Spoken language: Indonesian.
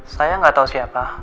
saya gak tau siapa